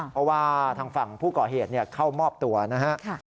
เพราะว่าทางฝั่งผู้ก่อเหตุเข้ามอบตัวนะครับ